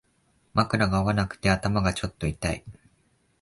枕が合わなくて頭がちょっと痛い